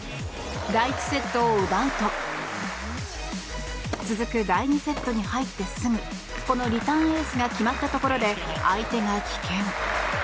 第１セットを奪うと続く第２セットに入ってすぐリターンエースが決まったところで相手が棄権。